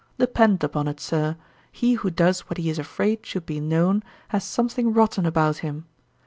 Depend upon it, Sir, he who does what he is afraid should be known, has something rotten about him.